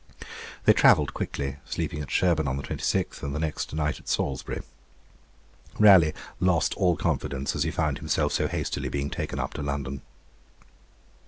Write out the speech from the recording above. They travelled quickly, sleeping at Sherborne on the 26th, and next night at Salisbury. Raleigh lost all confidence as he found himself so hastily being taken up to London.